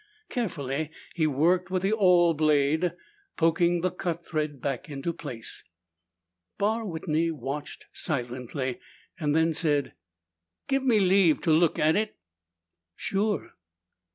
Carefully he worked with the awl blade, poking the cut thread back into place. Barr Whitney watched silently, then said, "Give me leave to look at it." "Sure."